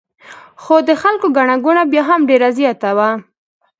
خو د خلکو ګڼه ګوڼه بیا هم ډېره زیاته وه.